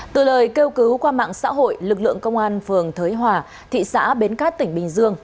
từ lời kêu cứu qua mạng xã hội lực lượng công an phường thới hòa thị xã bến cát tỉnh bình dương